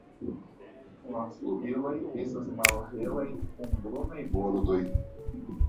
La flugiloj estas malhelaj kun brunaj bordoj.